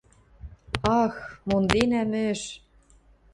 – Ах, монденӓмӹш.